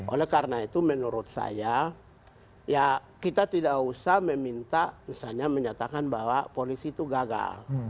oleh karena itu menurut saya ya kita tidak usah meminta misalnya menyatakan bahwa polisi itu gagal